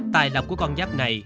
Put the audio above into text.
tài lọc của con giáp này